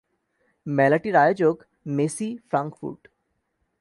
মেলাটির আয়োজক Messe Frankfurt.